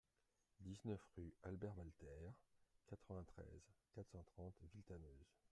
dix-neuf rue Albert Walter, quatre-vingt-treize, quatre cent trente, Villetaneuse